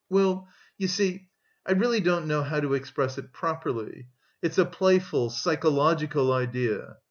"Well, you see... I really don't know how to express it properly.... It's a playful, psychological idea....